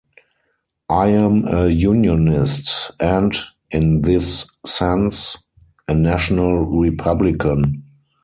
I am a unionist, and, in this sense, a national republican.